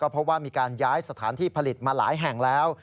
เพราะว่ามีการย้ายสถานที่ผลิตมาหลายแห่งแล้ว